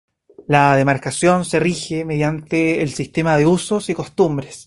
La demarcación se rige mediante el sistema de usos y costumbres.